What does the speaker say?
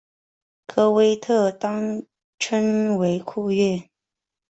科威特当时称为库锐。